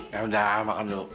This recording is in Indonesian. ya udah makan dulu